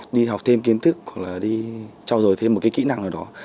đi học thêm kiến thức hoặc là đi trao dồi thêm một cái kỹ năng nào đó